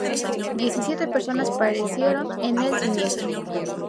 Diecisiete personas perecieron en el siniestro.